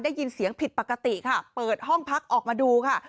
ได้ยินเสียงผิดปกติค่ะเปิดห้องพักออกมาดูค่ะ